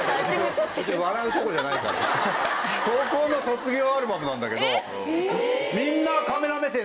高校の卒業アルバムなんだけど。